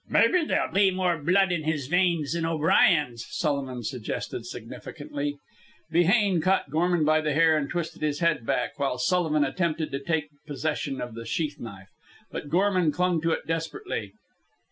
"Maybe there'll be more blood in his veins than O'Brien's," Sullivan suggested significantly. Behane caught Gorman by the hair and twisted his head back, while Sullivan attempted to take possession of the sheath knife. But Gorman clung to it desperately.